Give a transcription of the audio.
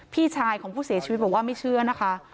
พี่ชายของผู้เสียชีวิตบอกว่าไม่เชื่อนะคะ